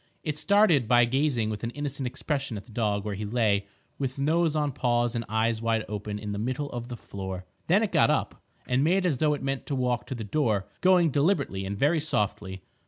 It started by gazing with an innocent expression at the dog where he lay with nose on paws and eyes wide open in the middle of the floor. Then it got up and made as though it meant to walk to the door, going deliberately and very softly.